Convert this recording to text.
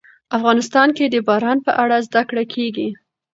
افغانستان کې د باران په اړه زده کړه کېږي.